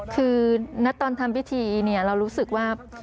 คือณตอนทำพิธีเรารู้สึกว่า